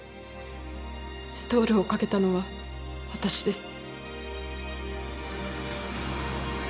ストールをかけたのは私です。